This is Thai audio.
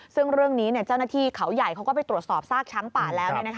ซึ่งเรื่องนี้เจ้าหน้าที่เขาใหญ่เขาก็ไปตรวจสอบซากช้างป่าแล้ว